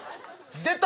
出た！